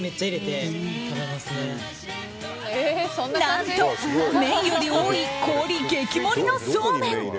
何と、麺より多い氷激盛りのそうめん。